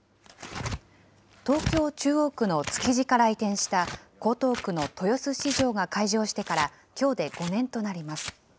東京・中央区の築地から移転した江東区の豊洲市場が開場してから、きょうで５年となります。